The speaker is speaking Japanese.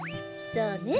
そうね。